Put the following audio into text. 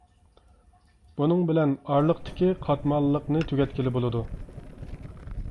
بۇنىڭ بىلەن ئارىلىقتىكى قاتماللىقنى تۈگەتكىلى بولىدۇ.